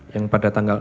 yang pada tanggal enam